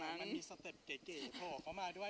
มันมีสเต็ปเก๋เพราะเขามาด้วย